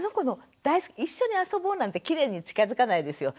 一緒に遊ぼうなんてきれいに近づかないですよ。